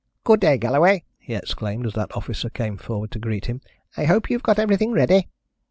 "Good day, Galloway," he exclaimed, as that officer came forward to greet him. "I hope you've got everything ready."